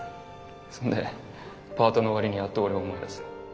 そんでパートの終わりにやっと俺を思い出す。